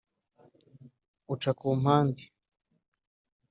uca ku mpande